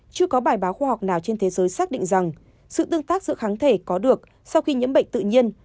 chưa có bài báo khoa học nào trên thế giới xác định rằng sự tương tác giữa kháng thể có được sau khi nhiễm bệnh tự nhiên